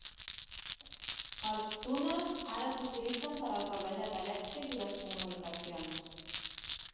Els túnels ara s'utilitzen per al cablejat elèctric i les comunicacions.